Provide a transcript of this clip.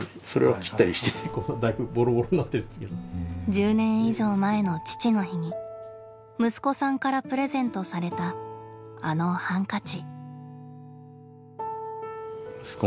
１０年以上前の父の日に息子さんからプレゼントされたあのハンカチ。